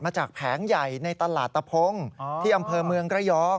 แผงใหญ่ในตลาดตะพงที่อำเภอเมืองระยอง